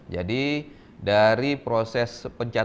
jadi dari proses pencapaian